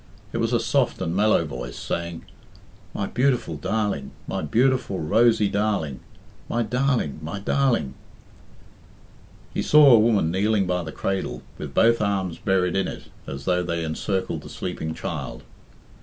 It was a soft and mellow voice, saying, "My beautiful darling! My beautiful, rosy darling I My darling! My darling!" He saw a woman kneeling by the cradle, with both arms buried in it as though they encircled the sleeping child.